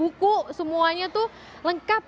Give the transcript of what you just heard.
buku semuanya tuh lengkap